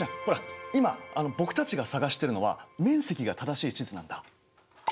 今僕たちが探してるのは面積が正しい地図なんだ。